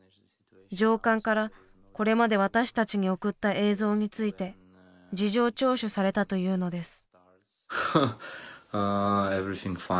上官からこれまで私たちに送った映像について事情聴取されたというのです。